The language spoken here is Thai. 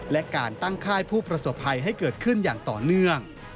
และการตั้งค่ายผู้ประสบภัยให้เกิดขึ้นอย่างต่อเนื่อง